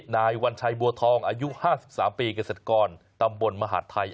นายวัญชัยบัวทองอายุ๕๓ปีเกษตรกรตำบลมหาดไทย